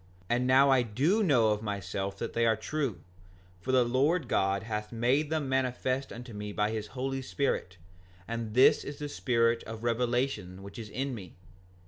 And now I do know of myself that they are true; for the Lord God hath made them manifest unto me by his Holy Spirit; and this is the spirit of revelation which is in me.